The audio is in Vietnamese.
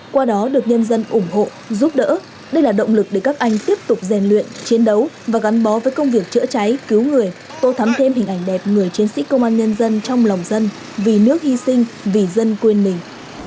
qua đó được nhân dân ủng hộ giúp đỡ đây là động lực để các anh tiếp tục rèn luyện chiến đấu và gắn bó với công việc chữa cháy cứu người tô thắm thêm hình ảnh đẹp người chiến sĩ công an nhân dân trong lòng dân vì nước hy sinh vì dân quên mình